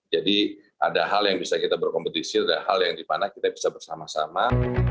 jadi ada hal yang bisa kita berkompetisi ada hal yang dimana kita bisa bersama sama